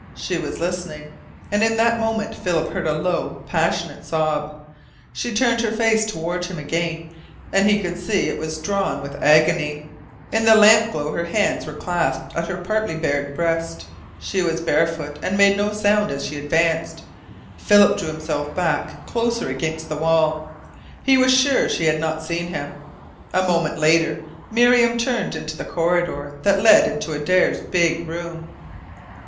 She was listening. And in that moment Philip heard a low, passionate sob. She turned her face toward him again, and he could see it drawn with agony. In the lamp glow her hands were clasped at her partly bared breast. She was barefoot, and made no sound as she advanced. Philip drew himself back closer against the wall. He was sure she had not seen him. A moment later Miriam turned into the corridor that led into Adare's big room.